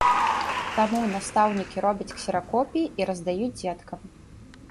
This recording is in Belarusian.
Таму настаўнікі робяць ксеракопіі і раздаюць дзеткам.